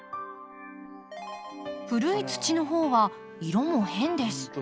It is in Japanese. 古い土の方は色も変です。